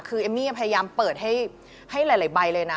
คือเอมมี่พยายามเปิดให้หลายใบเลยนะ